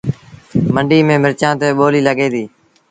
منڊيٚ ميݩ مرچآݩ تي ٻوليٚ لڳي ديٚ